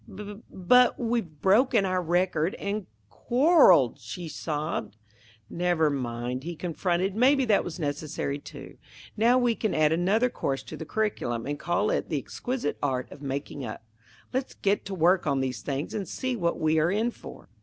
"B but we've broken our record and qu quarreled!" she sobbed. "Never mind," he comforted; "maybe that was necessary, too. Now we can add another course to the curriculum and call it the Exquisite Art of Making Up. Let's get to work on these things and see what we are in for."